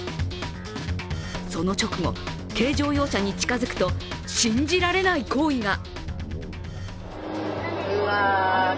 その直後、軽乗用車に近づくと信じられない行為が。